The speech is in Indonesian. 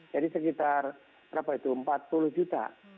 jadi sekitar rp empat puluh juta